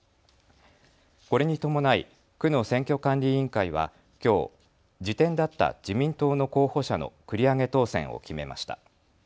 これに伴い区の選挙管理委員会はきょう次点だった自民党の候補者の繰り上げ当選を決めました。